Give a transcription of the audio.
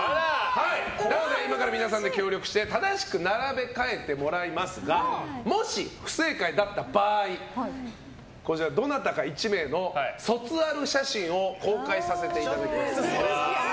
なので今から皆さんで協力して正しく並べ替えてもらいますがもし、不正解だった場合どなたか１名の卒アル写真を公開させていただきます。